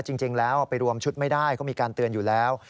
จริงแล้วไปรวมชุดไม่ได้เขามีการเตือนอยู่แล้ว